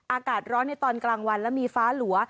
อากาศร้อนในตอนกลางวันและมีฟ้าหลัว